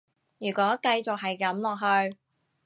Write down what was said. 如果繼續係噉落去